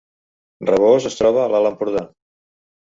Rabós es troba a l’Alt Empordà